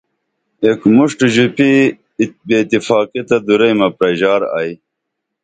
ایک مُݜٹ ژوپی بے اتفاقی تہ دوریمہ پرژار ائی